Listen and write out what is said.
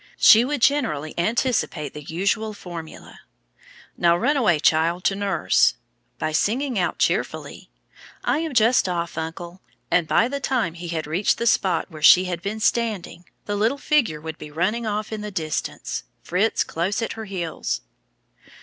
She would generally anticipate the usual formula: "Now run away child, to nurse," by singing out cheerfully: "I am just off, uncle," and by the time he had reached the spot where she was standing the little figure would be running off in the distance, Fritz close at her heels.